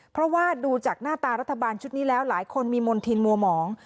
เพราะว่าดูจากหน้าตารัฐบาลชุดนี้แล้วหลายคนมีมณฑินมัวหมอง